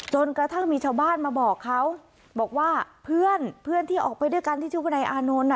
กระทั่งมีชาวบ้านมาบอกเขาบอกว่าเพื่อนเพื่อนที่ออกไปด้วยกันที่ชื่อวนายอานนท์น่ะ